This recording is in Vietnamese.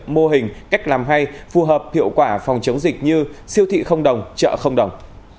mô hình cách làm hay phù hợp hiệu quả phòng chống dịch như siêu thị không đồng chợ không đồng